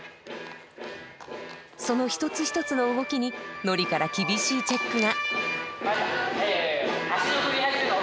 その一つ一つの動きにＮＯＲＩから厳しいチェックが。